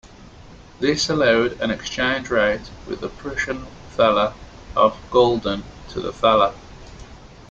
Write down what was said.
This allowed an exchange rate with the Prussian Thaler of Gulden to the Thaler.